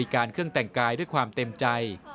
การเครื่องแต่งกายด้วยความเต็มใจ